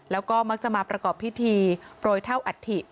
แล้วก็มักจะมาประกอบพิธีโปรยเท่าอัฐิ